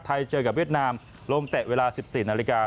เจอกับเวียดนามลงเตะเวลา๑๔นาฬิกา